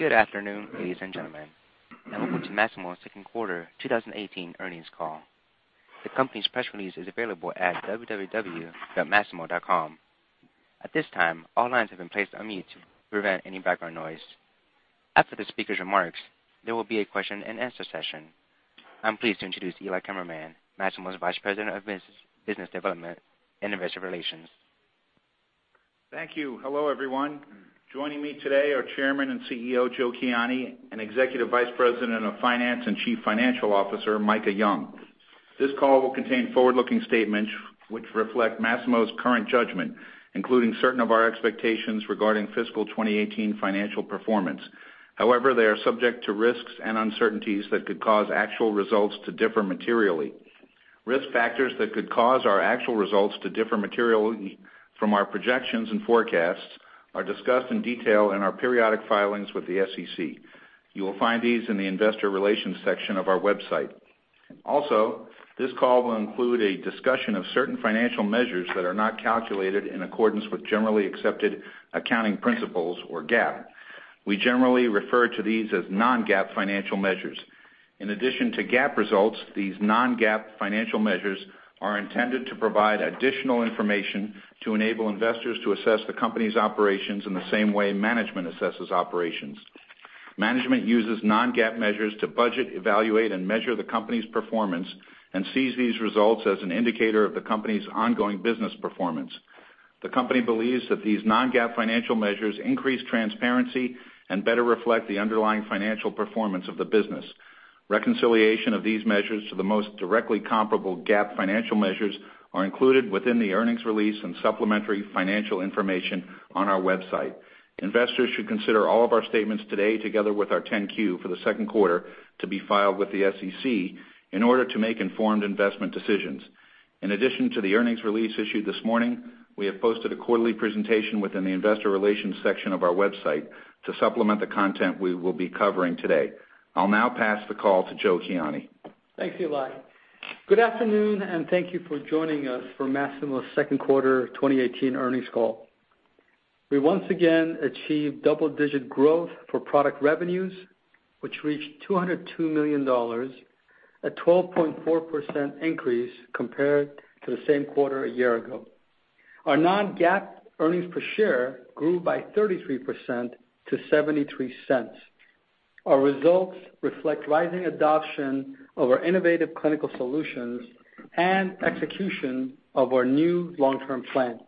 Good afternoon, ladies and gentlemen, welcome to Masimo's second quarter 2018 earnings call. The company's press release is available at www.masimo.com. At this time, all lines have been placed on mute to prevent any background noise. After the speaker's remarks, there will be a question and answer session. I'm pleased to introduce Eli Kammerman, Masimo's Vice President of Business Development and Investor Relations. Thank you. Hello, everyone. Joining me today are Chairman and CEO, Joe Kiani, and Executive Vice President of Finance and Chief Financial Officer, Micah Young. This call will contain forward-looking statements which reflect Masimo's current judgment, including certain of our expectations regarding fiscal 2018 financial performance. They are subject to risks and uncertainties that could cause actual results to differ materially. Risk factors that could cause our actual results to differ materially from our projections and forecasts, are discussed in detail in our periodic filings with the SEC. You will find these in the investor relations section of our website. This call will include a discussion of certain financial measures that are not calculated in accordance with generally accepted accounting principles or GAAP. We generally refer to these as non-GAAP financial measures. In addition to GAAP results, these non-GAAP financial measures are intended to provide additional information to enable investors to assess the company's operations in the same way management assesses operations. Management uses non-GAAP measures to budget, evaluate, and measure the company's performance and sees these results as an indicator of the company's ongoing business performance. The company believes that these non-GAAP financial measures increase transparency and better reflect the underlying financial performance of the business. Reconciliation of these measures to the most directly comparable GAAP financial measures are included within the earnings release and supplementary financial information on our website. Investors should consider all of our statements today, together with our 10-Q for the second quarter, to be filed with the SEC in order to make informed investment decisions. In addition to the earnings release issued this morning, we have posted a quarterly presentation within the investor relations section of our website to supplement the content we will be covering today. I'll now pass the call to Joe Kiani. Thanks, Eli. Good afternoon, and thank you for joining us for Masimo's second quarter 2018 earnings call. We once again achieved double-digit growth for product revenues, which reached $202 million, a 12.4% increase compared to the same quarter a year ago. Our non-GAAP earnings per share grew by 33% to $0.73. Our results reflect rising adoption of our innovative clinical solutions and execution of our new long-term plan.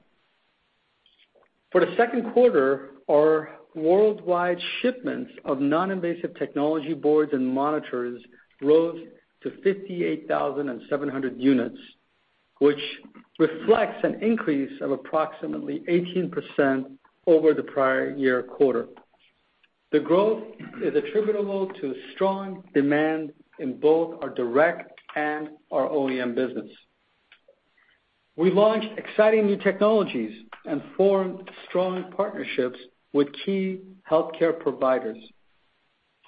For the second quarter, our worldwide shipments of non-invasive technology boards and monitors rose to 58,700 units, which reflects an increase of approximately 18% over the prior year quarter. The growth is attributable to strong demand in both our direct and our OEM business. We launched exciting new technologies and formed strong partnerships with key healthcare providers.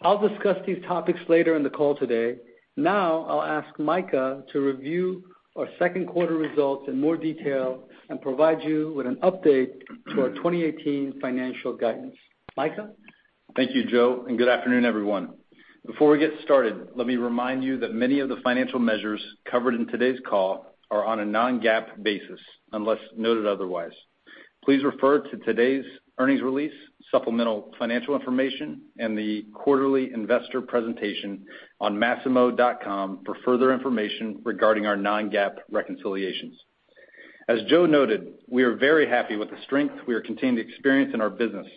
I'll discuss these topics later in the call today. I'll ask Micah to review our second quarter results in more detail and provide you with an update to our 2018 financial guidance. Micah? Thank you, Joe, and good afternoon, everyone. Before we get started, let me remind you that many of the financial measures covered in today's call are on a non-GAAP basis, unless noted otherwise. Please refer to today's earnings release, supplemental financial information, and the quarterly investor presentation on masimo.com for further information regarding our non-GAAP reconciliations. As Joe noted, we are very happy with the strength we are continuing to experience in our business.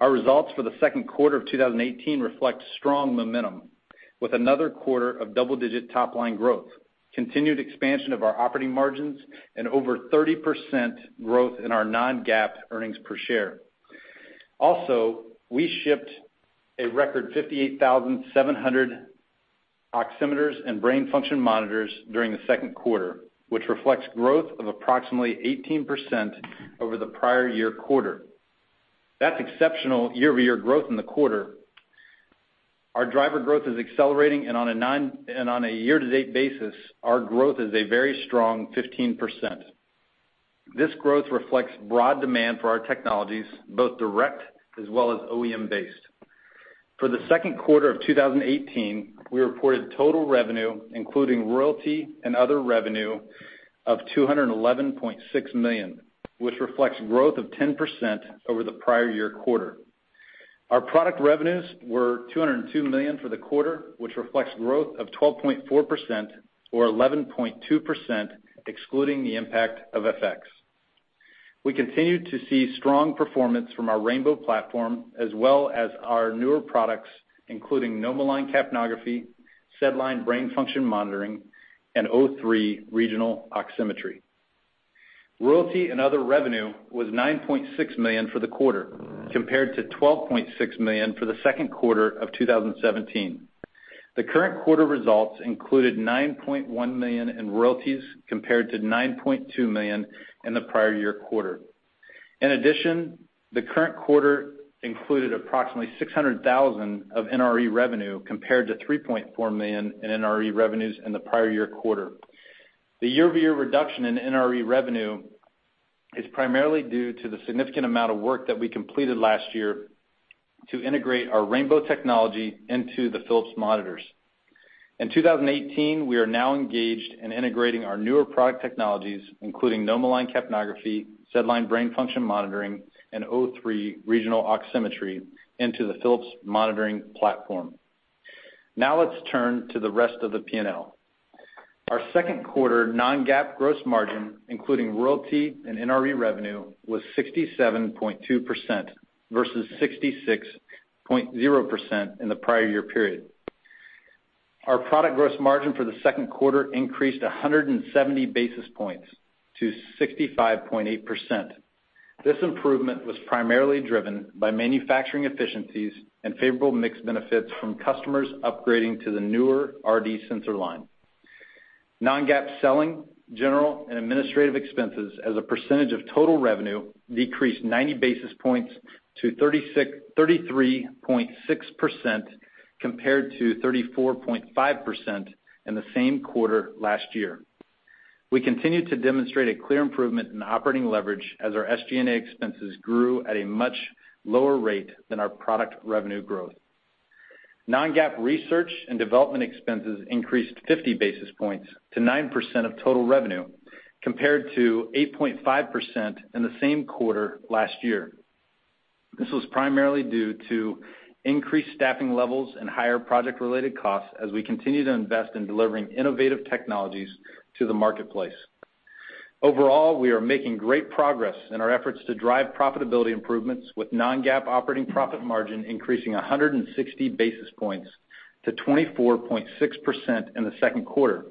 Our results for the second quarter of 2018 reflect strong momentum with another quarter of double-digit top-line growth, continued expansion of our operating margins, and over 30% growth in our non-GAAP earnings per share. Also, we shipped a record 58,700 oximeters and brain function monitors during the second quarter, which reflects growth of approximately 18% over the prior year quarter. That's exceptional year-over-year growth in the quarter. Our driver growth is accelerating. On a year-to-date basis, our growth is a very strong 15%. This growth reflects broad demand for our technologies, both direct as well as OEM-based. For the second quarter of 2018, we reported total revenue, including royalty and other revenue of $211.6 million, which reflects growth of 10% over the prior year quarter. Our product revenues were $202 million for the quarter, which reflects growth of 12.4% or 11.2%, excluding the impact of FX. We continue to see strong performance from our rainbow platform, as well as our newer products, including NomoLine capnography, SedLine brain function monitoring, and O3 regional oximetry. Royalty and other revenue was $9.6 million for the quarter, compared to $12.6 million for the second quarter of 2017. The current quarter results included $9.1 million in royalties compared to $9.2 million in the prior year quarter. In addition, the current quarter included approximately $600,000 of NRE revenue compared to $3.4 million in NRE revenues in the prior year quarter. The year-over-year reduction in NRE revenue is primarily due to the significant amount of work that we completed last year to integrate our rainbow technology into the Philips monitors. In 2018, we are now engaged in integrating our newer product technologies, including NomoLine capnography, SedLine brain function monitoring, and O3 regional oximetry into the Philips monitoring platform. Now let's turn to the rest of the P&L. Our second quarter non-GAAP gross margin, including royalty and NRE revenue, was 67.2% versus 66.0% in the prior year period. Our product gross margin for the second quarter increased 170 basis points to 65.8%. This improvement was primarily driven by manufacturing efficiencies and favorable mix benefits from customers upgrading to the newer RD sensor line. Non-GAAP selling, general and administrative expenses as a percentage of total revenue decreased 90 basis points to 33.6% compared to 34.5% in the same quarter last year. We continued to demonstrate a clear improvement in operating leverage as our SG&A expenses grew at a much lower rate than our product revenue growth. Non-GAAP research and development expenses increased 50 basis points to 9% of total revenue, compared to 8.5% in the same quarter last year. This was primarily due to increased staffing levels and higher project-related costs as we continue to invest in delivering innovative technologies to the marketplace. Overall, we are making great progress in our efforts to drive profitability improvements with non-GAAP operating profit margin increasing 160 basis points to 24.6% in the second quarter,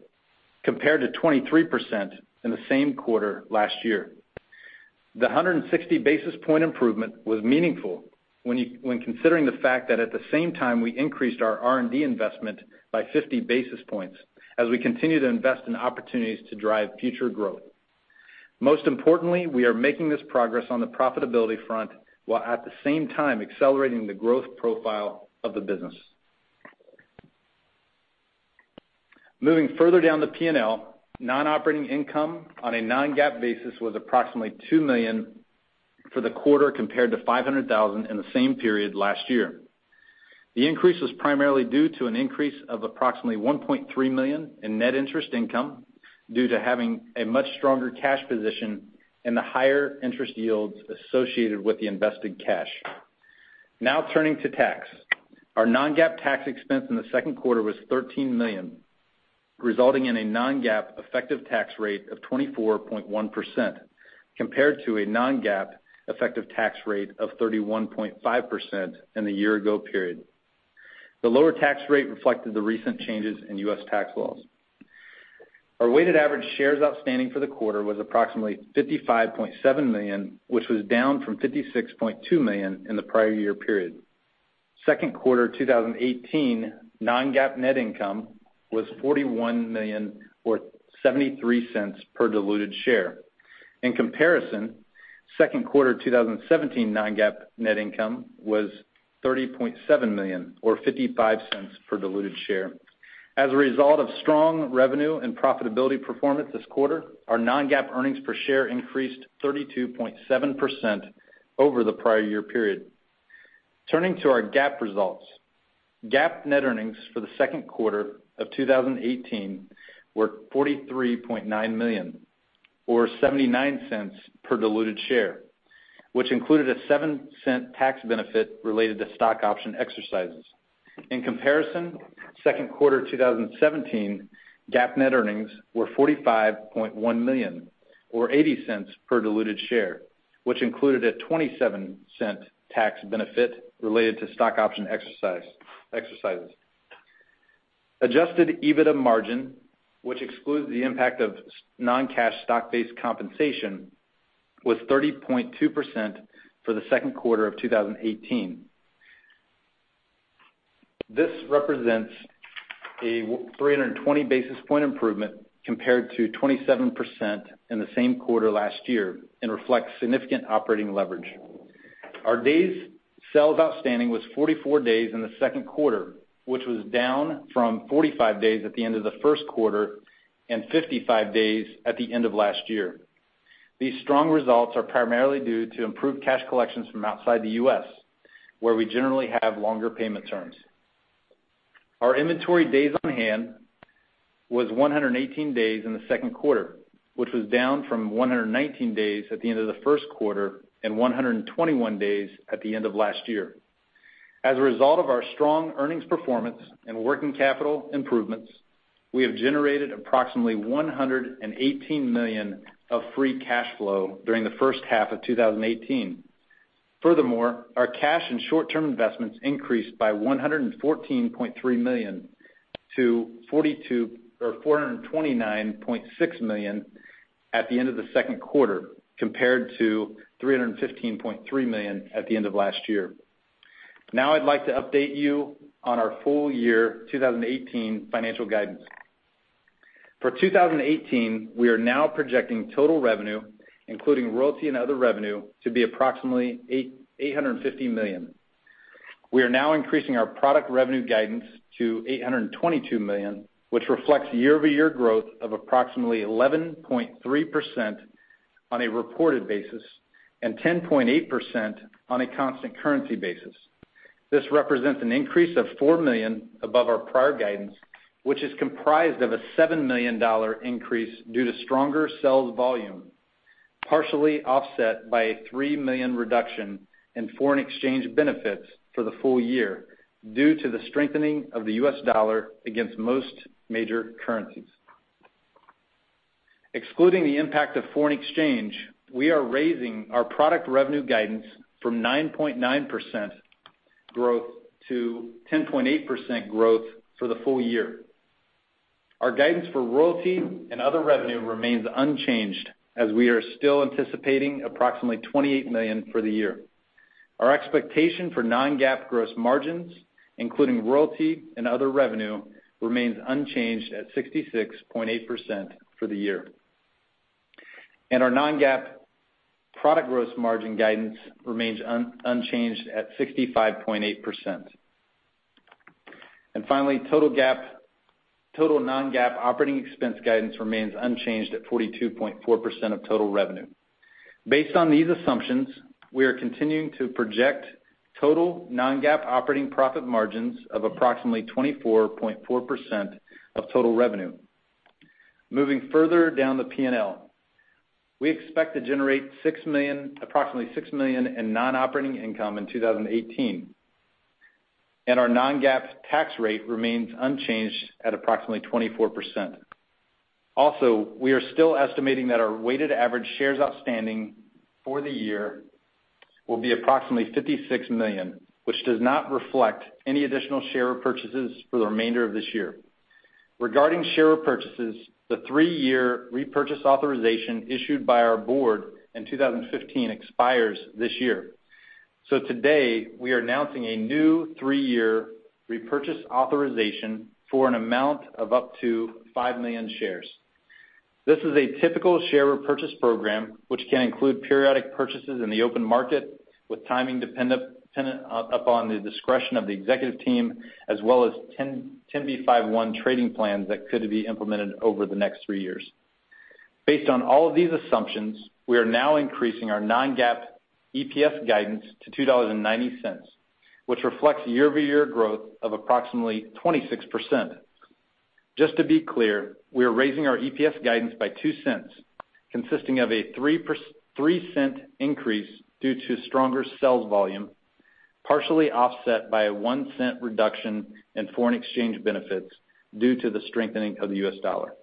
compared to 23% in the same quarter last year. The 160 basis point improvement was meaningful when considering the fact that at the same time, we increased our R&D investment by 50 basis points as we continue to invest in opportunities to drive future growth. Most importantly, we are making this progress on the profitability front, while at the same time accelerating the growth profile of the business. Moving further down the P&L, non-operating income on a non-GAAP basis was approximately $2 million for the quarter compared to $500,000 in the same period last year. The increase was primarily due to an increase of approximately $1.3 million in net interest income due to having a much stronger cash position and the higher interest yields associated with the invested cash. Now turning to tax. Our non-GAAP tax expense in the second quarter was $13 million, resulting in a non-GAAP effective tax rate of 24.1% compared to a non-GAAP effective tax rate of 31.5% in the year ago period. The lower tax rate reflected the recent changes in U.S. tax laws. Our weighted average shares outstanding for the quarter was approximately 55.7 million, which was down from 56.2 million in the prior year period. Second quarter 2018 non-GAAP net income was $41 million or $0.73 per diluted share. In comparison, second quarter 2017 non-GAAP net income was $30.7 million or $0.55 per diluted share. As a result of strong revenue and profitability performance this quarter, our non-GAAP earnings per share increased 32.7% over the prior year period. Turning to our GAAP results. GAAP net earnings for the second quarter of 2018 were $43.9 million or $0.79 per diluted share, which included a $0.07 tax benefit related to stock option exercises. In comparison, second quarter 2017 GAAP net earnings were $45.1 million or $0.80 per diluted share, which included a $0.27 tax benefit related to stock option exercises. Adjusted EBITDA margin, which excludes the impact of non-cash stock-based compensation, was 30.2% for the second quarter of 2018. This represents a 320 basis point improvement compared to 27% in the same quarter last year and reflects significant operating leverage. Our days sales outstanding was 44 days in the second quarter, which was down from 45 days at the end of the first quarter and 55 days at the end of last year. These strong results are primarily due to improved cash collections from outside the U.S., where we generally have longer payment terms. Our inventory days on hand was 118 days in the second quarter, which was down from 119 days at the end of the first quarter and 121 days at the end of last year. As a result of our strong earnings performance and working capital improvements, we have generated approximately $118 million of free cash flow during the first half of 2018. Furthermore, our cash and short-term investments increased by $114.3 million to $429.6 million at the end of the second quarter, compared to $315.3 million at the end of last year. Now I'd like to update you on our full year 2018 financial guidance. For 2018, we are now projecting total revenue, including royalty and other revenue, to be approximately $850 million. We are now increasing our product revenue guidance to $822 million, which reflects year-over-year growth of approximately 11.3% on a reported basis and 10.8% on a constant currency basis. This represents an increase of $4 million above our prior guidance, which is comprised of a $7 million increase due to stronger sales volume, partially offset by a $3 million reduction in foreign exchange benefits for the full year due to the strengthening of the U.S. dollar against most major currencies. Excluding the impact of foreign exchange, we are raising our product revenue guidance from 9.9% growth to 10.8% growth for the full year. Our guidance for royalty and other revenue remains unchanged, as we are still anticipating approximately $28 million for the year. Our expectation for non-GAAP gross margins, including royalty and other revenue, remains unchanged at 66.8% for the year. Our non-GAAP product gross margin guidance remains unchanged at 65.8%. Finally, total non-GAAP operating expense guidance remains unchanged at 42.4% of total revenue. Based on these assumptions, we are continuing to project total non-GAAP operating profit margins of approximately 24.4% of total revenue. Moving further down the P&L, we expect to generate approximately $6 million in non-operating income in 2018, and our non-GAAP tax rate remains unchanged at approximately 24%. Also, we are still estimating that our weighted average shares outstanding for the year will be approximately 56 million, which does not reflect any additional share purchases for the remainder of this year. Regarding share purchases, the three-year repurchase authorization issued by our board in 2015 expires this year. Today, we are announcing a new three-year repurchase authorization for an amount of up to 5 million shares. This is a typical share repurchase program, which can include periodic purchases in the open market, with timing dependent upon the discretion of the executive team, as well as Rule 10b5-1 trading plans that could be implemented over the next three years. Based on all of these assumptions, we are now increasing our non-GAAP EPS guidance to $2.90, which reflects year-over-year growth of approximately 26%. Just to be clear, we are raising our EPS guidance by $0.02, consisting of a $0.03 increase due to stronger sales volume, partially offset by a $0.01 reduction in foreign exchange benefits due to the strengthening of the U.S. dollar.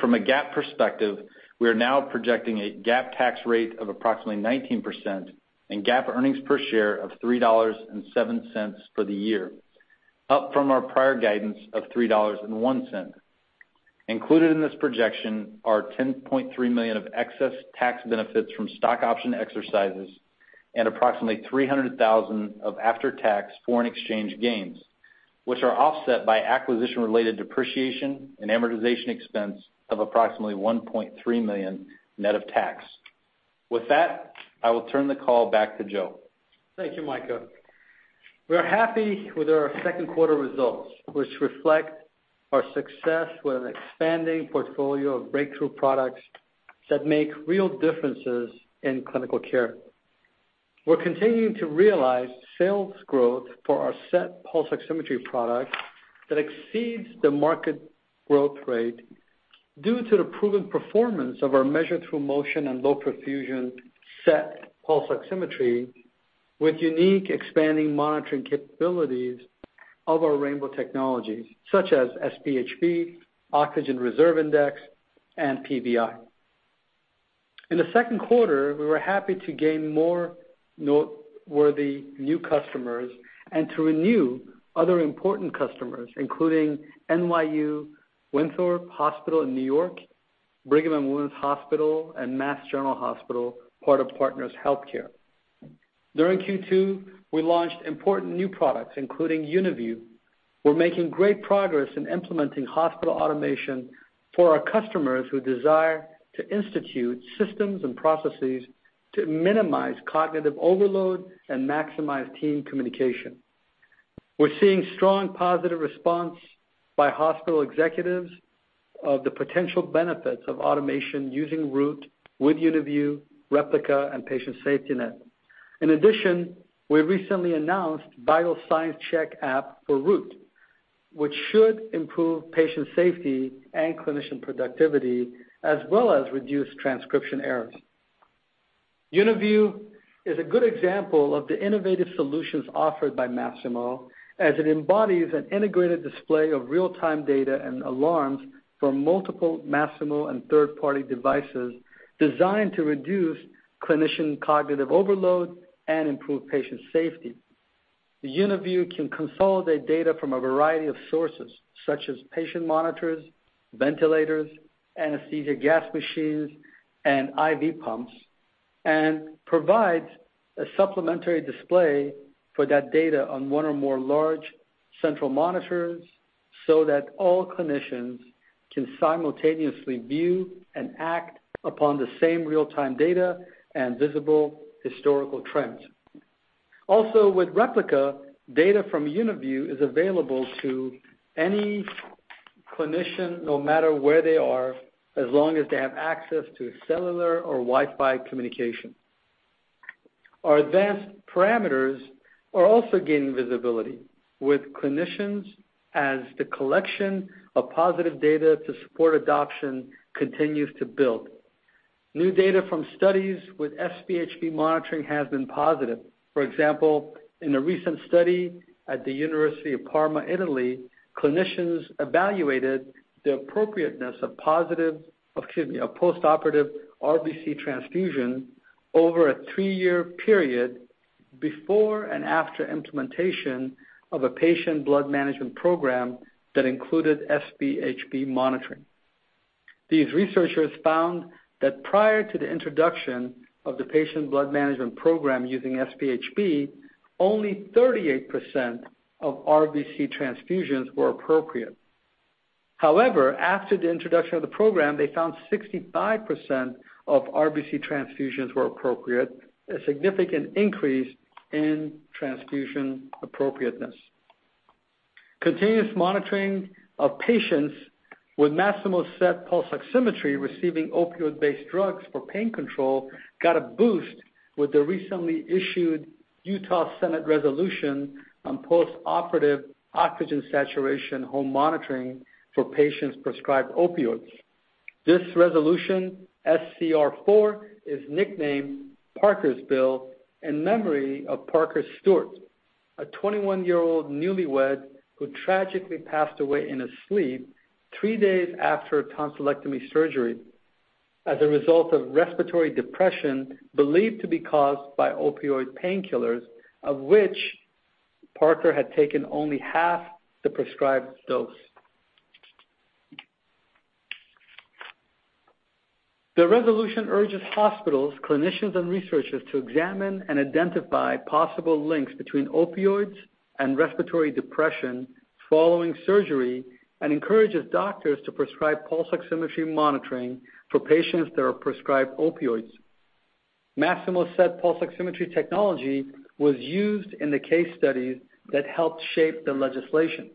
From a GAAP perspective, we are now projecting a GAAP tax rate of approximately 19% and GAAP earnings per share of $3.07 for the year, up from our prior guidance of $3.01. Included in this projection are $10.3 million of excess tax benefits from stock option exercises and approximately $300,000 of after-tax foreign exchange gains, which are offset by acquisition-related depreciation and amortization expense of approximately $1.3 million net of tax. With that, I will turn the call back to Joe. Thank you, Micah. We are happy with our second quarter results, which reflect our success with an expanding portfolio of breakthrough products that make real differences in clinical care. We are continuing to realize sales growth for our SET pulse oximetry product that exceeds the market growth rate due to the proven performance of our measure-through-motion and low perfusion SET pulse oximetry, with unique expanding monitoring capabilities of our rainbow technologies, such as SpHb, Oxygen Reserve Index, and PVI. In the second quarter, we were happy to gain more noteworthy new customers and to renew other important customers, including NYU Winthrop Hospital in N.Y., Brigham and Women's Hospital, and Massachusetts General Hospital, part of Partners HealthCare. During Q2, we launched important new products, including UniView. We are making great progress in implementing hospital automation for our customers who desire to institute systems and processes to minimize cognitive overload and maximize team communication. We are seeing strong positive response by hospital executives of the potential benefits of automation using Root with UniView, Replica, and Patient SafetyNet. In addition, we recently announced Vital Signs Check app for Root, which should improve patient safety and clinician productivity as well as reduce transcription errors. UniView is a good example of the innovative solutions offered by Masimo, as it embodies an integrated display of real-time data and alarms from multiple Masimo and third-party devices designed to reduce clinician cognitive overload and improve patient safety. The UniView can consolidate data from a variety of sources, such as patient monitors, ventilators, anesthesia gas machines, and IV pumps, and provides a supplementary display for that data on one or more large central monitors. That all clinicians can simultaneously view and act upon the same real-time data and visible historical trends. With Replica, data from UniView is available to any clinician, no matter where they are, as long as they have access to cellular or Wi-Fi communication. Our advanced parameters are also gaining visibility with clinicians as the collection of positive data to support adoption continues to build. New data from studies with SpHb monitoring has been positive. For example, in a recent study at the University of Parma, Italy, clinicians evaluated the appropriateness of postoperative RBC transfusion over a three-year period before and after implementation of a patient blood management program that included SpHb monitoring. These researchers found that prior to the introduction of the patient blood management program using SpHb, only 38% of RBC transfusions were appropriate. However, after the introduction of the program, they found 65% of RBC transfusions were appropriate, a significant increase in transfusion appropriateness. Continuous monitoring of patients with Masimo's SET pulse oximetry receiving opioid-based drugs for pain control got a boost with the recently issued Utah Senate Resolution on postoperative oxygen saturation home monitoring for patients prescribed opioids. This resolution, SCR-4, is nicknamed Parker's Bill in memory of Parker Stewart, a 21-year-old newlywed who tragically passed away in his sleep three days after a tonsillectomy surgery as a result of respiratory depression believed to be caused by opioid painkillers, of which Parker had taken only half the prescribed dose. The resolution urges hospitals, clinicians, and researchers to examine and identify possible links between opioids and respiratory depression following surgery. Encourages doctors to prescribe pulse oximetry monitoring for patients that are prescribed opioids. Masimo's SET pulse oximetry technology was used in the case studies that helped shape the legislation.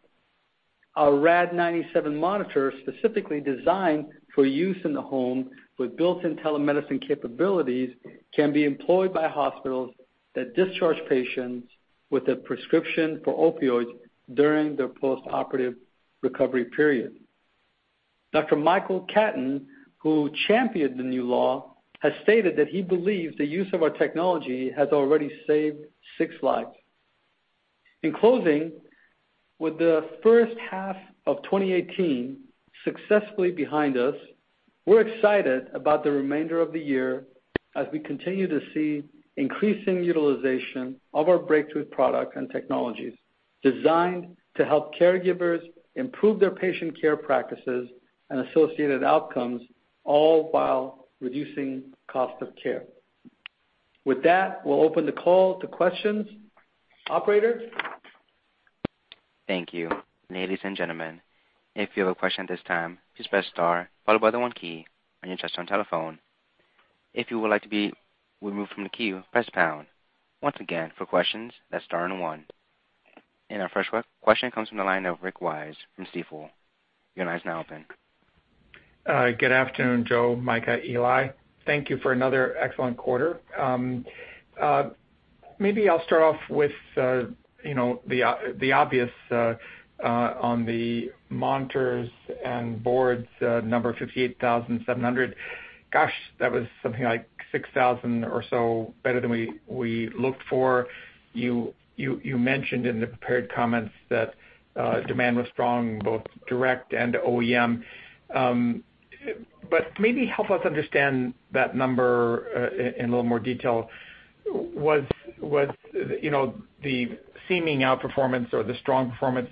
Our Rad-97 monitor, specifically designed for use in the home with built-in telemedicine capabilities, can be employed by hospitals that discharge patients with a prescription for opioids during their postoperative recovery period. Dr. Michael Caton, who championed the new law, has stated that he believes the use of our technology has already saved six lives. In closing, with the first half of 2018 successfully behind us, we're excited about the remainder of the year as we continue to see increasing utilization of our breakthrough products and technologies designed to help caregivers improve their patient care practices and associated outcomes, all while reducing cost of care. With that, we'll open the call to questions. Operator? Thank you. Ladies and gentlemen, if you have a question at this time, please press star followed by the one key on your touch-tone telephone. If you would like to be removed from the queue, press pound. Once again, for questions, press star and one. Our first question comes from the line of Rick Wise from Stifel. Your line is now open. Good afternoon, Joe, Micah, Eli. Thank you for another excellent quarter. Maybe I'll start off with the obvious on the monitors and boards number 58,700. Gosh, that was something like 6,000 or so better than we looked for. You mentioned in the prepared comments that demand was strong in both direct and OEM. Maybe help us understand that number in a little more detail. Was the seeming outperformance or the strong performance,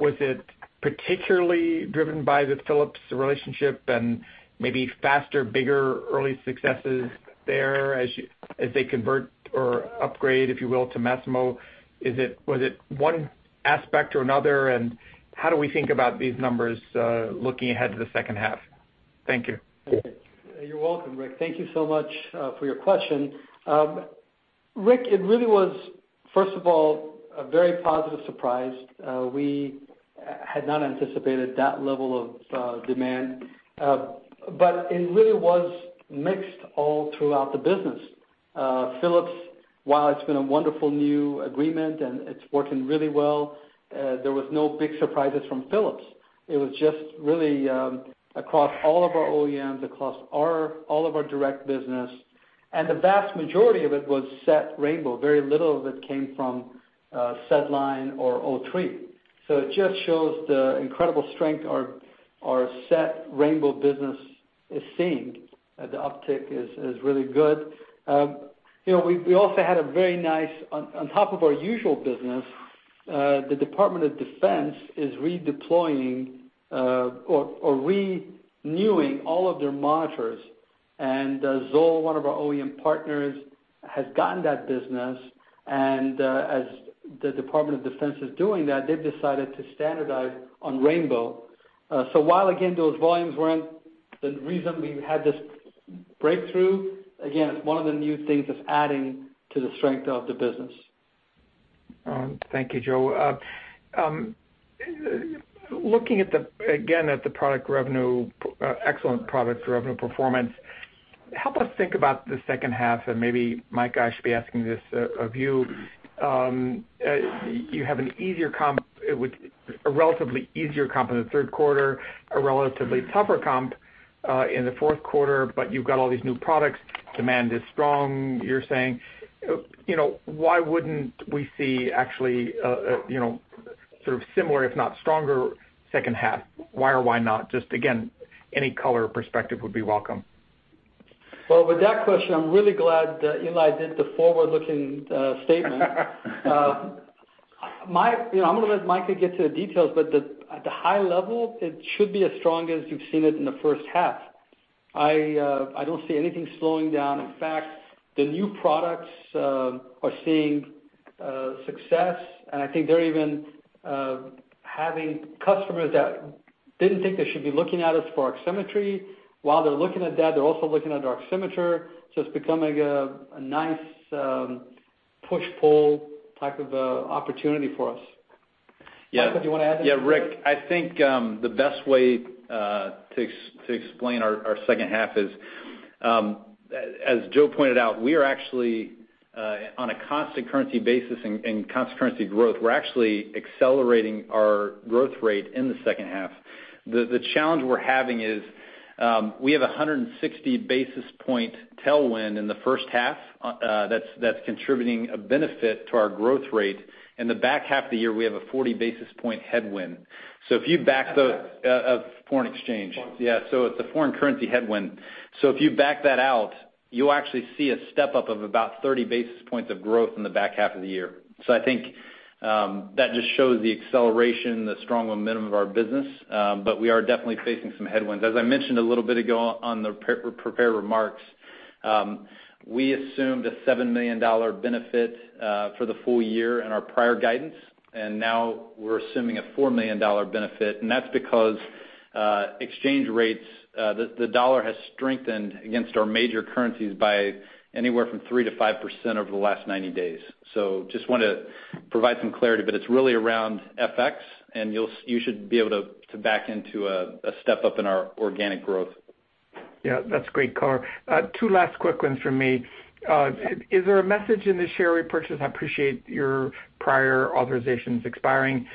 was it particularly driven by the Philips relationship and maybe faster, bigger early successes there as they convert or upgrade, if you will, to Masimo? Was it one aspect or another, and how do we think about these numbers looking ahead to the second half? Thank you. You're welcome, Rick. Thank you so much for your question. Rick, it really was, first of all, a very positive surprise. We had not anticipated that level of demand. It really was mixed all throughout the business. Philips, while it's been a wonderful new agreement and it's working really well, there was no big surprises from Philips. It was just really across all of our OEMs, across all of our direct business, and the vast majority of it was rainbow SET. Very little of it came from SedLine or O3. It just shows the incredible strength our rainbow SET business is seeing. The uptick is really good. We also had a very nice, on top of our usual business, the Department of Defense is redeploying or renewing all of their monitors. And Zoll, one of our OEM partners, has gotten that business. As the Department of Defense is doing that, they've decided to standardize on rainbow. While, again, those volumes weren't the reason we had this breakthrough, again, it's one of the new things that's adding to the strength of the business. Thank you, Joe. Looking, again, at the excellent product revenue performance, help us think about the second half, and maybe, Micah, I should be asking this of you. You have a relatively easier comp in the third quarter, a relatively tougher comp in the fourth quarter, but you've got all these new products. Demand is strong, you're saying. Why wouldn't we see actually sort of similar, if not stronger, second half? Why or why not? Just again, any color perspective would be welcome. Well, with that question, I'm really glad that Eli did the forward-looking statement. I'm going to let Micah get to the details, but at the high level, it should be as strong as you've seen it in the first half. I don't see anything slowing down. In fact, the new products are seeing success, and I think they're even having customers that didn't think they should be looking at us for oximetry. While they're looking at that, they're also looking at our oximeter, so it's becoming a nice push-pull type of opportunity for us. Micah, do you want to add anything to that? Yeah, Rick, I think the best way to explain our second half is, as Joe pointed out, we are actually on a constant currency basis and constant currency growth. We're actually accelerating our growth rate in the second half. The challenge we're having is we have 160 basis point tailwind in the first half that's contributing a benefit to our growth rate. In the back half of the year, we have a 40 basis point headwind. If you back the FX? Of foreign exchange. Foreign. It's a foreign currency headwind. If you back that out, you'll actually see a step-up of about 30 basis points of growth in the back half of the year. I think that just shows the acceleration, the strong momentum of our business, but we are definitely facing some headwinds. As I mentioned a little bit ago on the prepared remarks, we assumed a $7 million benefit for the full year in our prior guidance, and now we're assuming a $4 million benefit, and that's because exchange rates. The dollar has strengthened against our major currencies by anywhere from 3% to 5% over the last 90 days. Just wanted to provide some clarity, but it's really around FX, and you should be able to back into a step-up in our organic growth. That's great color. 2 last quick ones from me. Is there a message in the share repurchase? I appreciate your prior authorizations expiring.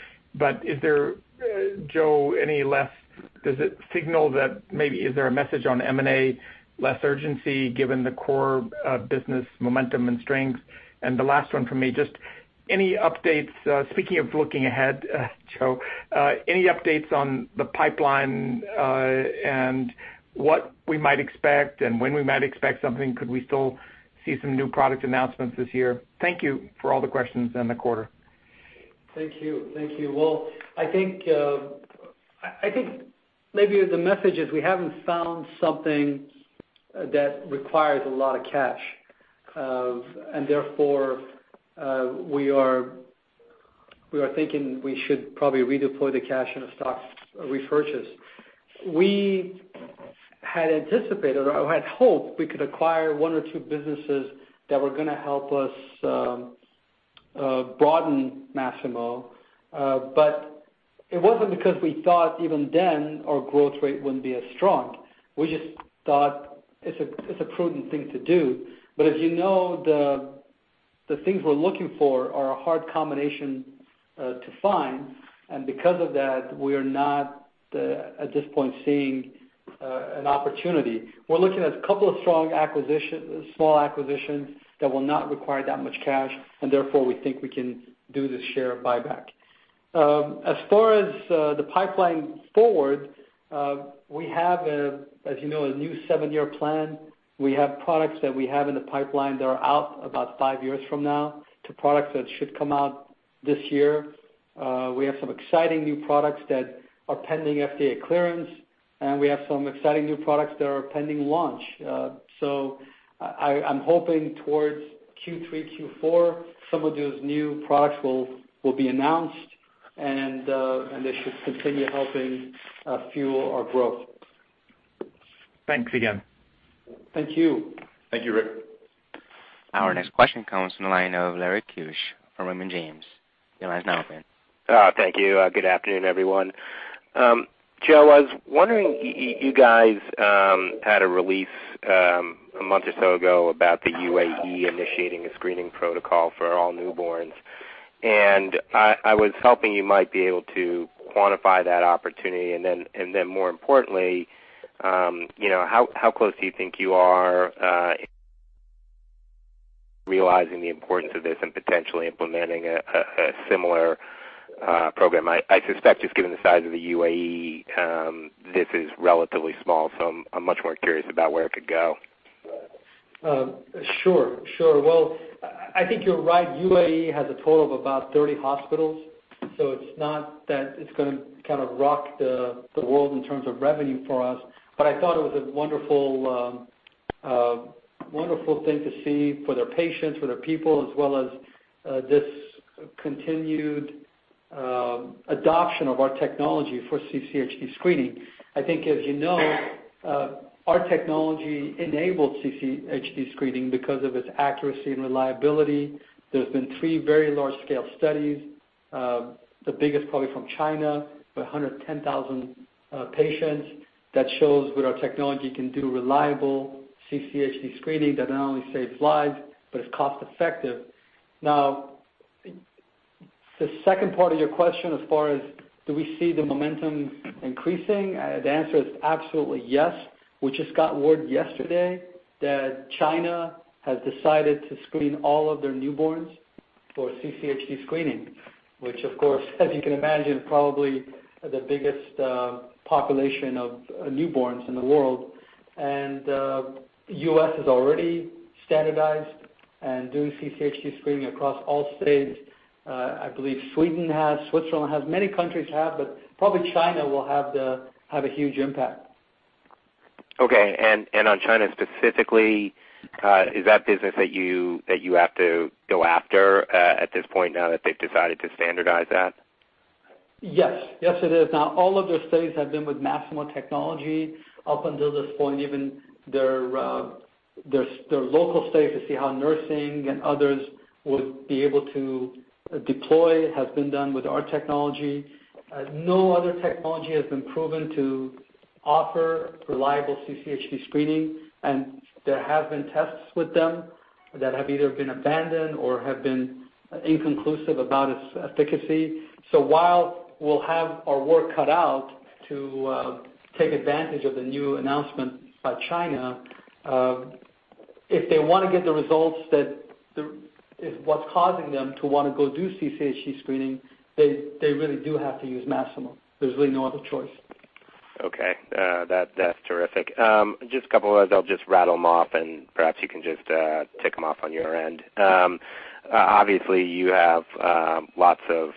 Is there, Joe, does it signal that maybe is there a message on M&A, less urgency given the core business momentum and strength? The last one from me, just any updates, speaking of looking ahead, Joe, any updates on the pipeline and what we might expect and when we might expect something? Could we still see some new product announcements this year? Thank you for all the questions and the quarter. Thank you. I think maybe the message is we haven't found something that requires a lot of cash. Therefore, we are thinking we should probably redeploy the cash in a stock repurchase. We had anticipated, or had hoped, we could acquire 1 or 2 businesses that were going to help us broaden Masimo. It wasn't because we thought even then our growth rate wouldn't be as strong. We just thought it's a prudent thing to do. As you know, the things we're looking for are a hard combination to find, and because of that, we are not, at this point, seeing an opportunity. We're looking at a couple of strong acquisitions, small acquisitions that will not require that much cash, and therefore, we think we can do the share buyback. As far as the pipeline forward, we have, as you know, a new 7-year plan. We have products that we have in the pipeline that are out about 5 years from now to products that should come out this year. We have some exciting new products that are pending FDA clearance, and we have some exciting new products that are pending launch. I'm hoping towards Q3, Q4, some of those new products will be announced, and they should continue helping fuel our growth. Thanks again. Thank you. Thank you, Rick. Our next question comes from the line of Larry Keusch from Raymond James. Your line's now open. Thank you. Good afternoon, everyone. Joe, I was wondering, you guys had a release a month or so ago about the UAE initiating a screening protocol for all newborns, I was hoping you might be able to quantify that opportunity. More importantly, how close do you think you are realizing the importance of this and potentially implementing a similar program? I suspect just given the size of the UAE, this is relatively small, so I'm much more curious about where it could go. Sure. Well, I think you're right. UAE has a total of about 30 hospitals, so it's not that it's going to rock the world in terms of revenue for us, but I thought it was a wonderful thing to see for their patients, for their people, as well as this continued adoption of our technology for CCHD screening. I think, as you know, our technology enabled CCHD screening because of its accuracy and reliability. There have been three very large-scale studies, the biggest probably from China, with 110,000 patients, that shows what our technology can do, reliable CCHD screening that not only saves lives, but is cost-effective. The second part of your question, as far as do we see the momentum increasing, the answer is absolutely yes. We just got word yesterday that China has decided to screen all of their newborns for CCHD screening, which of course, as you can imagine, probably the biggest population of newborns in the world. U.S. has already standardized and doing CCHD screening across all states. I believe Sweden has, Switzerland has, many countries have, probably China will have a huge impact. Okay, on China specifically, is that business that you have to go after at this point now that they've decided to standardize that? Yes, it is. All of their studies have been with Masimo technology up until this point. Even their local studies to see how nursing and others would be able to deploy has been done with our technology. No other technology has been proven to offer reliable CCHD screening, and there have been tests with them that have either been abandoned or have been inconclusive about its efficacy. While we'll have our work cut out to take advantage of the new announcement by China, if they want to get the results that is what's causing them to want to go do CCHD screening, they really do have to use Masimo. There's really no other choice. Okay. That's terrific. Just a couple others. I'll just rattle them off and perhaps you can just tick them off on your end. Obviously, you have lots of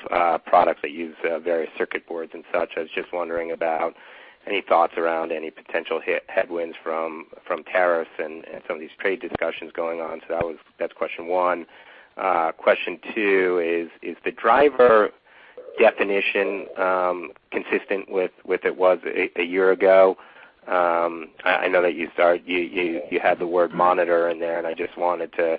products that use various circuit boards and such. I was just wondering about any thoughts around any potential headwinds from tariffs and some of these trade discussions going on. That's question one. Question two is the driver definition consistent with what it was a year ago? I know that you had the word monitor in there, and I just wanted to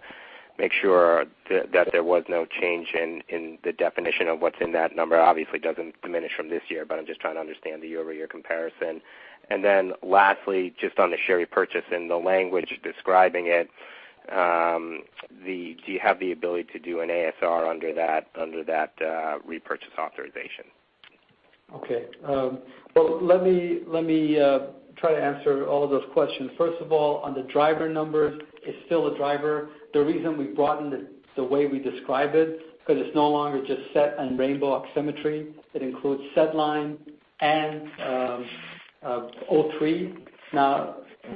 make sure that there was no change in the definition of what's in that number. Obviously, it doesn't diminish from this year, but I'm just trying to understand the year-over-year comparison. Lastly, just on the share repurchase and the language describing it, do you have the ability to do an ASR under that repurchase authorization? Okay. Well, let me try to answer all of those questions. First of all, on the driver numbers, it's still a driver. The reason we broadened it the way we describe it, because it's no longer just SET and rainbow oximetry. It includes SedLine and O3.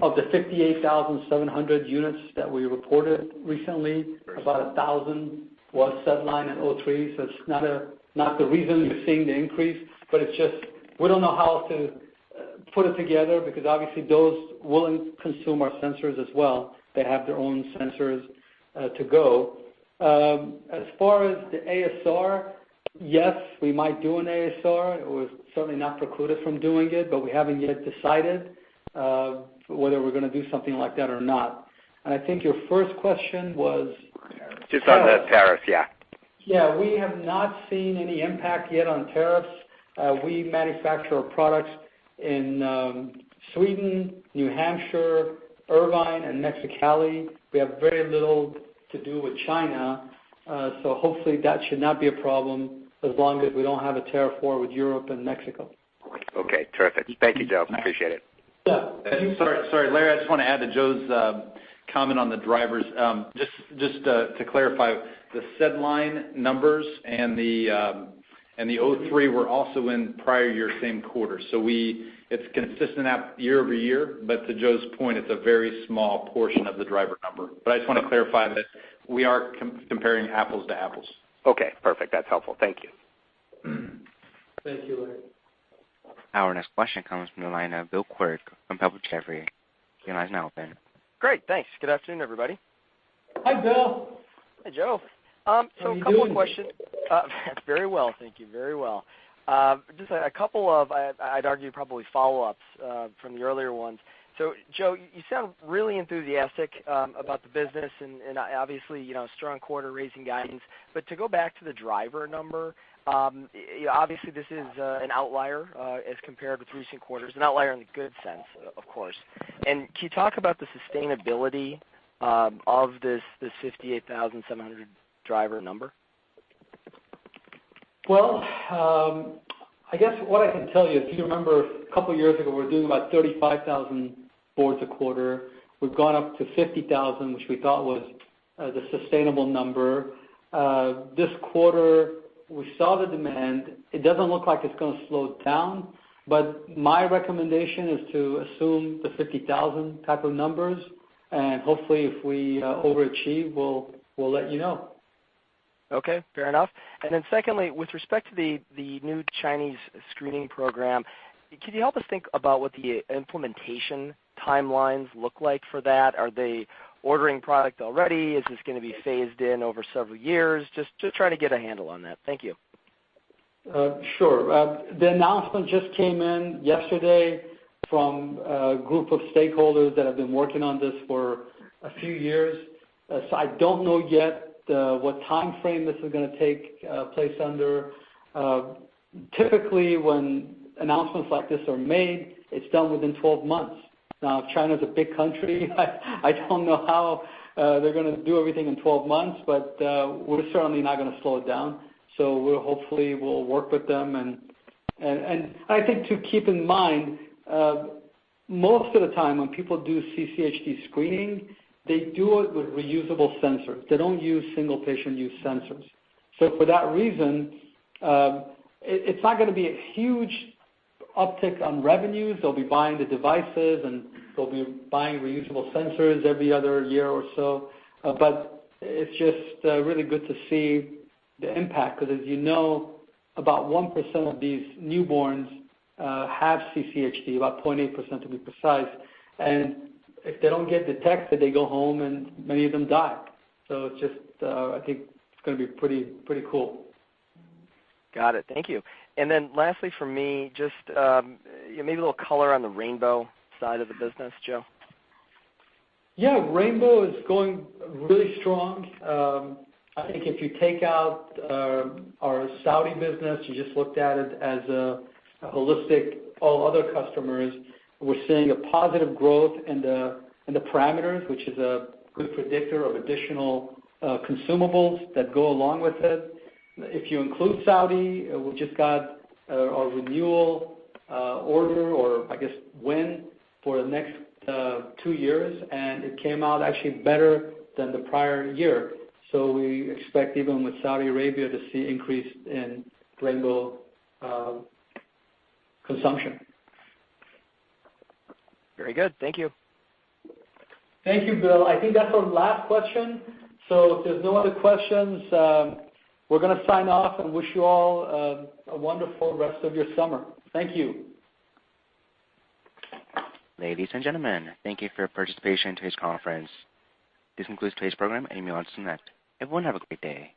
Of the 58,700 units that we reported recently, about 1,000 was SedLine and O3. It's not the reason you're seeing the increase, but it's just we don't know how else to put it together because obviously those will consume our sensors as well. They have their own sensors to go. As far as the ASR, yes, we might do an ASR. We're certainly not precluded from doing it, but we haven't yet decided whether we're going to do something like that or not. I think your first question was. Just on the tariffs, yeah. Yeah, we have not seen any impact yet on tariffs. We manufacture our products in Sweden, New Hampshire, Irvine, and Mexicali. We have very little to do with China. Hopefully that should not be a problem as long as we don't have a tariff war with Europe and Mexico. Okay, terrific. Thank you, Joe. Appreciate it. Yeah. Sorry, Larry, I just want to add to Joe's comment on the drivers. Just to clarify, the SedLine numbers and the O3 were also in prior year same quarter. It's consistent year-over-year, but to Joe's point, it's a very small portion of the driver number. I just want to clarify that we are comparing apples to apples. Okay, perfect. That's helpful. Thank you. Thank you, Larry. Our next question comes from the line of Bill Quirk from Piper Jaffray. Your line is now open. Great, thanks. Good afternoon, everybody. Hi, Bill. Hi, Joe. How are you doing? A couple of questions. Very well, thank you. Very well. Just a couple of, I'd argue, probably follow-ups from the earlier ones. Joe, you sound really enthusiastic about the business and obviously, strong quarter raising guidance. To go back to the driver number, obviously this is an outlier as compared with recent quarters, an outlier in the good sense, of course. Can you talk about the sustainability of this 58,700 driver number? I guess what I can tell you, if you remember a couple of years ago, we were doing about 35,000 boards a quarter. We've gone up to 50,000, which we thought was the sustainable number. This quarter, we saw the demand. It doesn't look like it's going to slow down, but my recommendation is to assume the 50,000 type of numbers, and hopefully if we overachieve, we'll let you know. Okay, fair enough. Secondly, with respect to the new Chinese screening program, could you help us think about what the implementation timelines look like for that? Are they ordering product already? Is this going to be phased in over several years? Just trying to get a handle on that. Thank you. Sure. The announcement just came in yesterday from a group of stakeholders that have been working on this for a few years. I don't know yet what timeframe this is going to take place under. Typically, when announcements like this are made, it's done within 12 months. China's a big country. I don't know how they're going to do everything in 12 months, we're certainly not going to slow it down. We'll hopefully work with them. I think to keep in mind, most of the time when people do CCHD screening, they do it with reusable sensors. They don't use single-patient use sensors. For that reason, it's not going to be a huge uptick on revenues. They'll be buying the devices, and they'll be buying reusable sensors every other year or so. It's just really good to see the impact, because as you know, about 1% of these newborns have CCHD, about 0.8% to be precise. If they don't get detected, they go home and many of them die. It's just I think it's going to be pretty cool. Got it. Thank you. Lastly from me, just maybe a little color on the rainbow side of the business, Joe. Yeah. rainbow is going really strong. I think if you take out our Saudi business, you just looked at it as a holistic, all other customers, we're seeing a positive growth in the parameters, which is a good predictor of additional consumables that go along with it. If you include Saudi, we just got our renewal order or I guess win for the next 2 years, and it came out actually better than the prior year. We expect even with Saudi Arabia to see increase in rainbow consumption. Very good. Thank you. Thank you, Bill. I think that's our last question. If there's no other questions, we're going to sign off and wish you all a wonderful rest of your summer. Thank you. Ladies and gentlemen, thank you for your participation in today's conference. This concludes today's program. You may disconnect. Everyone have a great day.